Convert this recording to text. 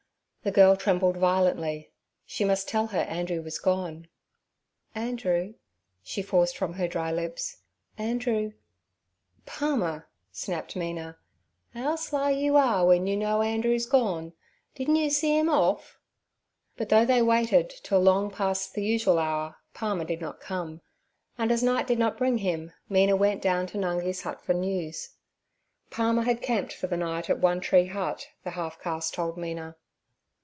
The girl trembled violently. She must tell her Andrew was gone. 'Andrew' she forced from her dry lips—'Andrew—' 'Palmer' snapped Mina; "ow sly you are, w'en you know Andrew's gone. Didn't you see 'im off.' But though they waited till long past the usual hour, Palmer did not come, and as night did not bring him, Mina went down to Nungi's hut for news. Palmer had camped for the night at One Tree Hut, the half caste told Mina.